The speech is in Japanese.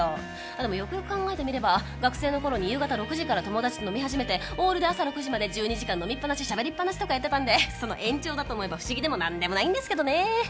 でもよくよく考えてみれば学生の頃に夕方６時から友達と飲み始めてオールで朝６時まで１２時間飲みっぱなし喋りっぱなしとかやってたんでその延長だと思えば不思議でもなんでもないんですけどね。